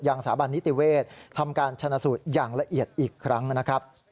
สาบันนิติเวศทำการชนะสูตรอย่างละเอียดอีกครั้งนะครับ